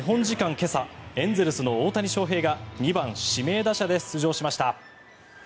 今朝エンゼルスの大谷翔平が２番指名打者で出場しました。